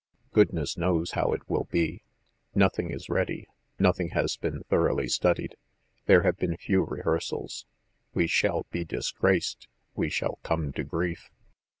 Goodness knows how it will be! Nothing is ready, nothing has been thoroughly studied, there have been few rehearsals! We shall be disgraced, we shall come to grief!"